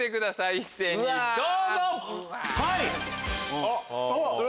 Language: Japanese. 一斉にどうぞ！